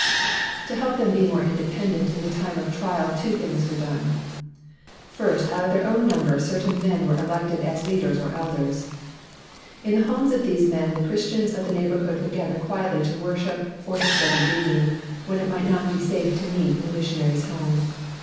To help them to be more independent in the time of trial two things were done. First, out of their own number certain men were elected as leaders or elders. In the homes of these men the Christians of the neighborhood would gather quietly to wor ship or to study reading, when it might not be safe to meet in the missionaries' home.